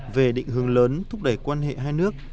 về định hướng lớn thúc đẩy quan hệ hai nước